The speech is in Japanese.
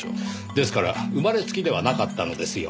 ですから生まれつきではなかったのですよ。